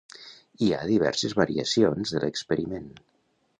Hi ha diverses variacions de l'experiment.